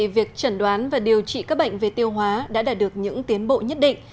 việc chẩn đoán và điều trị các bệnh về tiêu hóa đã đạt được những tiến bộ nhất định